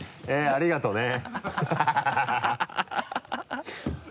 ありがとうね。